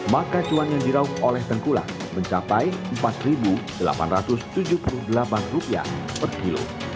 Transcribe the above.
maka cuan yang dirauh oleh tengkulak mencapai rp empat delapan ratus tujuh puluh delapan per kilo